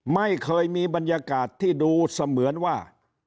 ไม่เคยมีบรรยากาศที่ดูเสมือนว่า